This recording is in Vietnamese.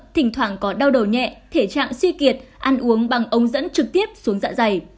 thỉnh thoảng có đau đầu nhẹ thể trạng suy kiệt ăn uống bằng ống dẫn trực tiếp xuống dạ dày